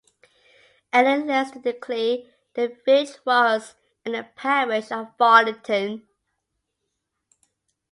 Ecclesiastically the village was in the parish of Farlington.